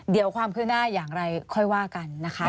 เดี๋ยวความคืบหน้าอย่างไรค่อยว่ากันนะคะ